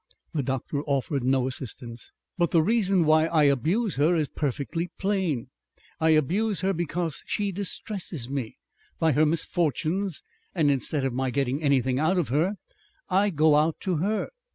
The doctor offered no assistance. "But the reason why I abuse her is perfectly plain. I abuse her because she distresses me by her misfortunes and instead of my getting anything out of her, I go out to her.